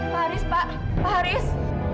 pak haris pak pak haris